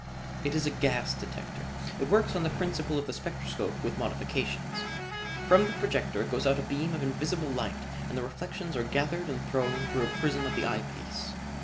"It is a gas detector. It works on the principle of the spectroscope with modifications. From this projector goes out a beam of invisible light and the reflections are gathered and thrown through a prism of the eye piece.